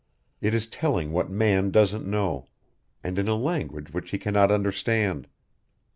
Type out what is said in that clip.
It is telling what man doesn't know, and in a language which he cannot understand.